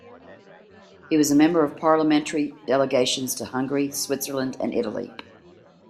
He was a member of parliamentary delegations to Hungary, Switzerland and Italy.